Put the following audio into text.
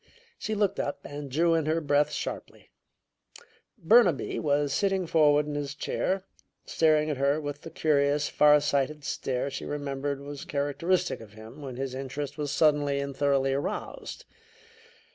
She looked up and drew in her breath sharply. Burnaby was sitting forward in his chair, staring at her with the curious, far sighted stare she remembered was characteristic of him when his interest was suddenly and thoroughly aroused.